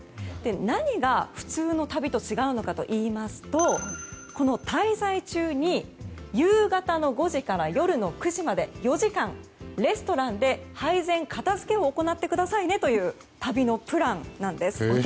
何が普通の旅と違うのかといいますとこの滞在中に、夕方の５時から夜の９時まで４時間レストランで配膳、片づけを行ってくださいねという旅のプランなんです。